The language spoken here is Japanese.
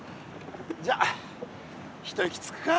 じゃあ一息つくか。